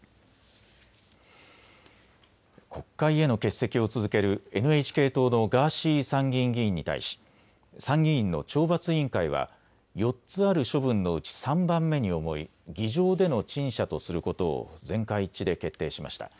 国会への欠席を続けるＮＨＫ党のガーシー参議院議員に対し参議院の懲罰委員会は４つある処分のうち３番目に重い議場での陳謝とすることを全会一致で決定しました。